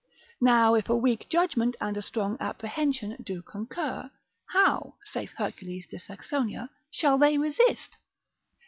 Now if a weak judgment and a strong apprehension do concur, how, saith Hercules de Saxonia, shall they resist?